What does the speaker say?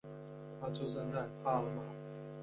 他出生在帕尔马。